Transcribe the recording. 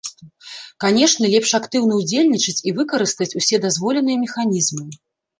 Канешне, лепш актыўна ўдзельнічаць і выкарыстаць усе дазволеныя механізмы.